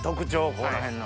この辺の。